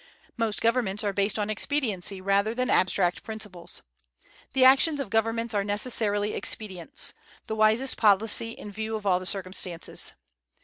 Most governments are based on expediency rather than abstract principles. The actions of governments are necessarily expedients, the wisest policy in view of all the circumstances.